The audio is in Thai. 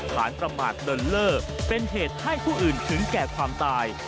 ประมาทเดินเล่อเป็นเหตุให้ผู้อื่นถึงแก่ความตาย